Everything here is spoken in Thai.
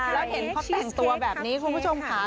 แล้วเห็นเขาแต่งตัวแบบนี้คุณผู้ชมค่ะ